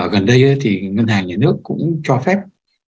gần đây thì ngân hàng nhà nước cũng cho phép